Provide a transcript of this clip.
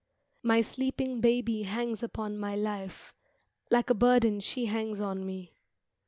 My sleeping baby hangs upon my life, Like a burden she hangs on me.